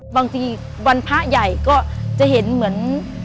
บางทีวันพระใหญ่ก็จะเห็นเหมือน